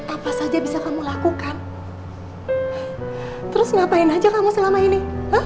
apa saja bisa kamu lakukan terus ngapain aja kamu selama ini